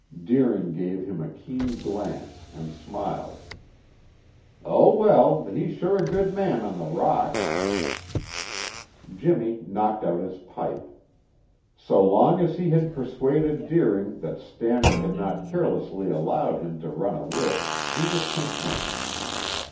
Deering gave him a keen glance and smiled. "Oh, well; he's sure a good man on the rocks." Jimmy knocked out his pipe. So long as he had persuaded Deering that Stannard had not carelessly allowed him to run a risk he was content.